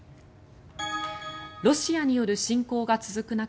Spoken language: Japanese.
ロシアによる侵攻が続く中